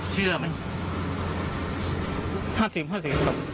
เชื่อมัน